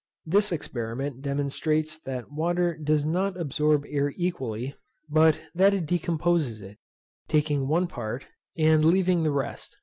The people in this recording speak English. This experiment demonstrates that water does not absorb air equally, but that it decomposes it, taking one part, and leaving the rest.